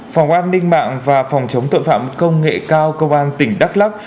phòng an ninh mạng và phòng chống tội phạm công nghệ cao công an tỉnh đắk lắc